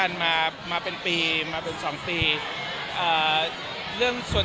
เราไม่ใช่คุยกันตลอดไม่ใช่ทุกวัน